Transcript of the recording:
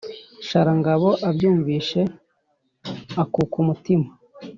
sharangabo abyumvise akuka umutima